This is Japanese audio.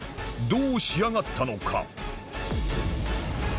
どう仕上がったのか？